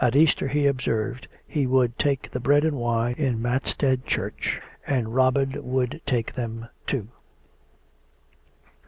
7 Easter, he observed, he would take the bread and wine in Matstead Church, and Robin would take them too.